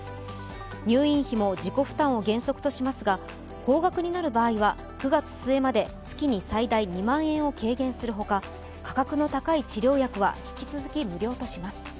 入院費も自己負担を原則としますが高額になる場合は９月末まで月に最大２万円を軽減する他価格の高い治療薬は引き続き無料とします。